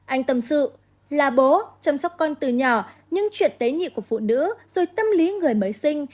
anh tâm sự là bố chăm sóc con từ nhỏ những chuyện tế nhị của phụ nữ rồi tâm lý người mới sinh